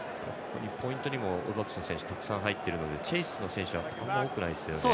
ポイントにもオールブラックスの選手がたくさんいるのでチェイスの選手はそんなに多くないですよね。